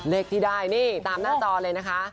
เลขที่ได้นี่ตามหน้าจอเลยนะคะ